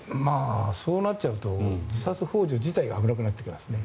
そうなっちゃうと自殺ほう助自体が危なくなってきますね。